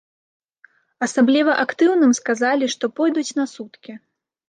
Асабліва актыўным сказалі, што пойдуць на суткі.